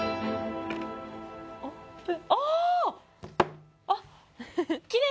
ああ！